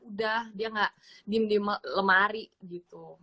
udah dia gak diem diem lemari gitu